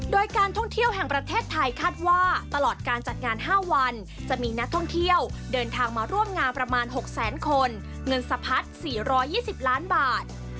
โดยการท่องเที่ยวแห่งประเทศไทยคาดว่าตลอดการจัดงาน๕วันจะมีนักท่องเที่ยวเดินทางมาร่วมงานประมาณ๖แสนคนเงินสะพัด๔๒๐ล้านบาท